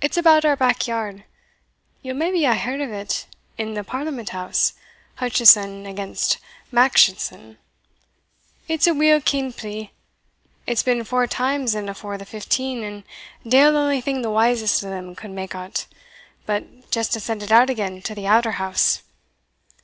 It's about our back yard ye'll maybe hae heard of it in the Parliament house, Hutchison against Mackitchinson it's a weel kenn'd plea its been four times in afore the fifteen, and deil ony thing the wisest o' them could make o't, but just to send it out again to the outer house.